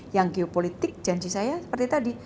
yang geopolitik janji saya seperti tadi